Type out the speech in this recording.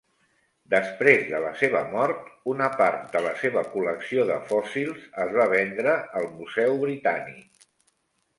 Després de la seva mort, una part de la seva col·lecció de fòssils es va vendre al Museu Britànic.